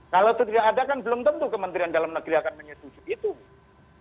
kalau itu tidak ada kan belum tentu kementerian dalam negeri akan menyetujui itu